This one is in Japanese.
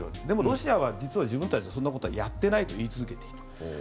でも、ロシアは実は自分たちはそんなことはやっていないと言い続けている。